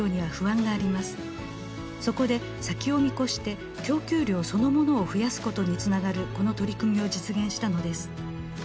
そこで先を見越して供給量そのものを増やすことにつながるこの取り組みを実現したのです。